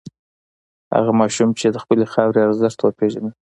هغه ماشوم چې د خپلې خاورې ارزښت وپېژني.